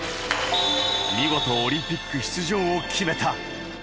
見事オリンピック出場を決めた。